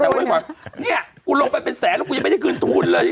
มันว่าเนี่ยกูลงไปซึ่งแสนกูไม่ได้กลืนทุนเลย